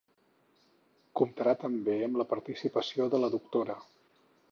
Comptarà també amb la participació de la doctora.